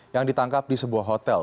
yang ditangkap di sebuah hotel